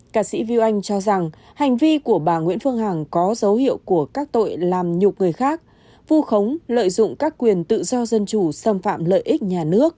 ca sĩ vị oanh cho rằng hành vi của bà nguyễn phương hằng có dấu hiệu của các tội làm nhục người khác vô khống lợi dụng các quyền tự do dân chủ xâm phạm lợi ích nhà nước